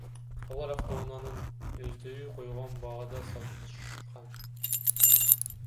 Алар автоунааны өздөрү койгон баада сатышкан.